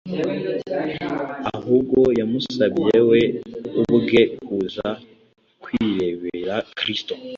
ahubwo yamusabye we ubwe kuza kwirebera Kristo.